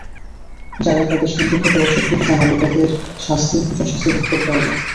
যাঁরা তাঁদের সঙ্গে খেতে অস্বীকৃতি জানাবে তাঁদের কঠোর শাস্তি ভোগ করতে হবে।